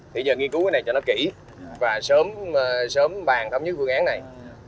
thì giờ nghiên cứu cái này cho nó kỹ và sớm bàn thống nhất phương án này